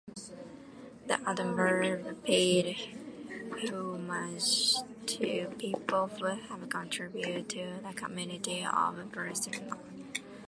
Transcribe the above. The advert paid homage to people who have contributed to the community of Barcelona.